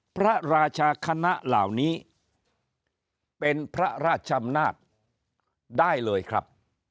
พระราชาคณะเหล่านี้เป็นพระราชอำนาจได้เลยครับ